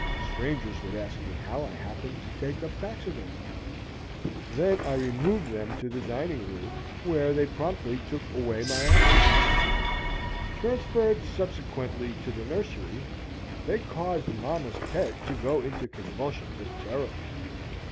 (Strangers would ask me how I happened to take up taxidermy.) Then I removed them to the dining room, where they promptly took away my appetite. Transferred subsequently to the nursery, they caused Mamma's Pet to go into convulsions of terror.